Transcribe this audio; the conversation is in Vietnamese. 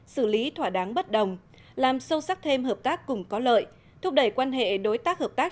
xử lý thỏa đáng bất đồng làm sâu sắc thêm hợp tác cùng có lợi thúc đẩy quan hệ đối tác hợp tác